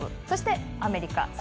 そして、アメリカ。